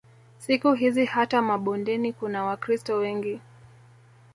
Siku hizi hata mabondeni kuna Wakristo wengi